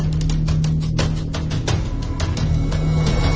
แล้วก็พอเล่ากับเขาก็คอยจับอย่างนี้ครับ